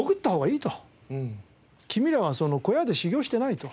君らは小屋で修業していないと。